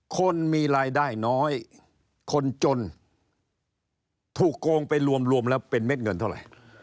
คนมีรายได้น้อยคนจนถูกโกงไปรวมแล้วเป็นเม็ดเงินเท่าไหร่